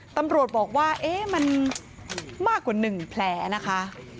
ตำรวจบอกว่ามันมากกว่าหนึ่งแผลนะคะ